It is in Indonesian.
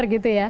terima kasih ya